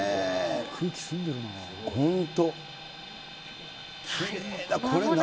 空気澄んでるな。